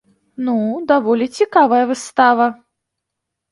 Ну, даволі цікавая выстава.